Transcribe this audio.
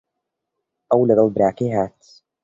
ئەو لەگەڵ براکەی هات.